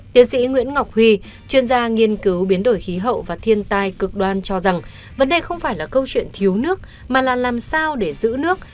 tiến sĩ nguyễn ngọc huy chuyên gia nghiên cứu biến đổi khí hậu và thiên tai cực đoan cho rằng vấn đề không phải là câu chuyện thiếu nước mà là làm sao để giữ nước